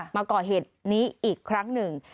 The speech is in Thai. มาก่อเหตุนี้อีกครั้งหนึ่ง